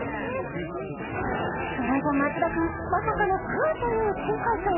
トラジャ松田君まさかの「クー」という珍回答